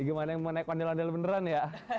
gimana yang mau naik ondel ondel beneran ya